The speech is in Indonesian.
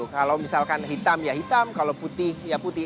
kalau misalkan hitam ya hitam kalau putih ya putih